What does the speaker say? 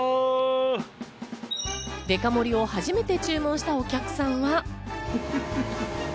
デカ盛りを初めて注文したお客さんは。